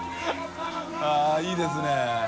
◆舛いいですね。